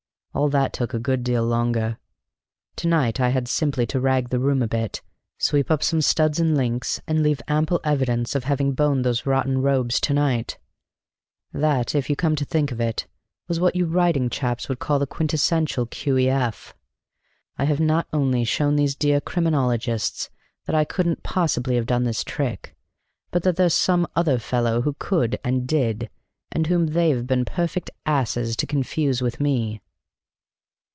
All that took a good deal longer; to night I had simply to rag the room a bit, sweep up some studs and links, and leave ample evidence of having boned those rotten robes to night. That, if you come to think of it, was what you writing chaps would call the quintessential Q.E.F. I have not only shown these dear Criminologists that I couldn't possibly have done this trick, but that there's some other fellow who could and did, and whom they've been perfect asses to confuse with me."